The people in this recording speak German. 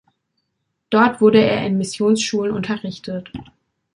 Dort wurde er in Missionsschulen unterrichtet.